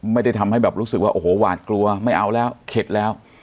ไม่ได้ทำให้แบบรู้สึกว่าโอ้โหหวาดกลัวไม่เอาแล้วเข็ดแล้ว